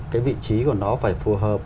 cái vị trí của nó phải phù hợp